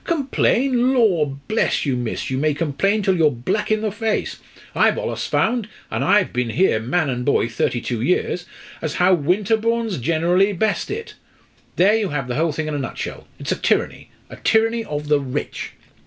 'Complain! Lor' bless you, miss, you may complain till you're black in the face. I've allus found an' I've been here, man and boy, thirty two year as how Winterbournes generally best it.' There you have the whole thing in a nutshell. It's a tyranny a tyranny of the rich."